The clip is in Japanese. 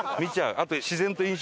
あと。